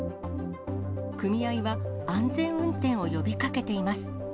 組合は安全運転を呼びかけています。